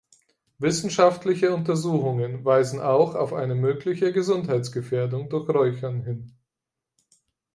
Wissenschaftliche Untersuchungen weisen auch auf eine mögliche Gesundheitsgefährdung durch Räuchern hin.